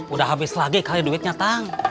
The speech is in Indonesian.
udah habis lagi kali duitnya tang